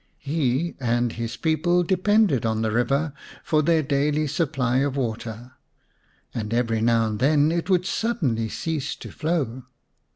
He and his people depended on the river for their daily supply of water, and every now and then it would suddenly cease to flow.